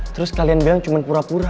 terus kalian bilang cuma pura pura